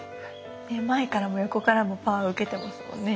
前からも横からもパワー受けてますもんね